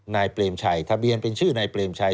นายเปรมชัยทะเบียนเป็นชื่อนายเปรมชัย